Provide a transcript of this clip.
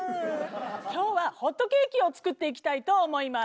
今日はホットケーキを作っていきたいと思います。